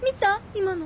今の。